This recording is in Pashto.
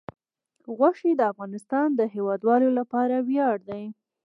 غوښې د افغانستان د هیوادوالو لپاره ویاړ دی.